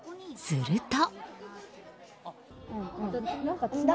すると。